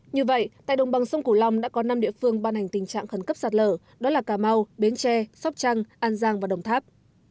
như vậy tại đồng bằng sông cửu long đã có năm địa phương ban hành tình trạng khẩn cấp sạt lở đó là cà mau biến tre sóc trăng an giang và đồng tháp